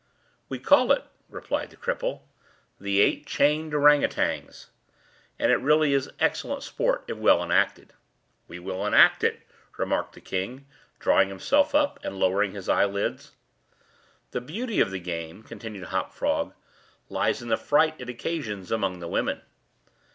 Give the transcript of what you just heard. "We call it," replied the cripple, "the Eight Chained Ourang Outangs, and it really is excellent sport if well enacted." "We will enact it," remarked the king, drawing himself up, and lowering his eyelids. "The beauty of the game," continued Hop Frog, "lies in the fright it occasions among the women."